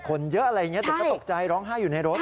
คนเยอะอะไรอย่างนี้แต่ก็ตกใจร้องไห้อยู่ในรถ